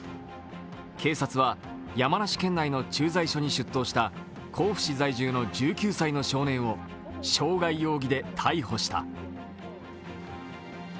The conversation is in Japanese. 警察は山梨県内の駐在所に出頭した甲府市在住の１９歳の少年を傷害容疑で逮捕した。